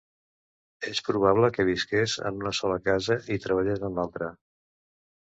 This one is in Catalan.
És probable que visqués en una sola casa i treballés en l'altra.